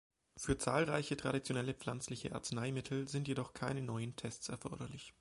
Für zahlreiche traditionelle pflanzliche Arzneimittel sind jedoch keine neuen Tests erforderlich.